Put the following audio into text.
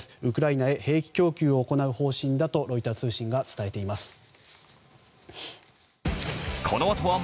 ウクライナへ兵器供給を行う方針だとロイター通信が伝えています。